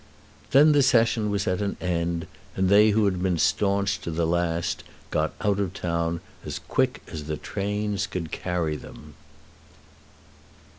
Then the Session was at an end, and they who had been staunch to the last got out of town as quick as the trains could carry them.